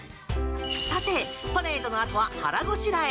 さて、パレードのあとは腹ごしらえ。